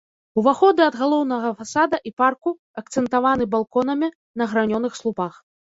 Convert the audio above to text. Уваходы ад галоўнага фасада і парку акцэнтаваны балконамі на гранёных слупах.